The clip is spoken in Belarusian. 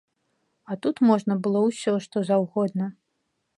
А тут можна было ўсё, што заўгодна.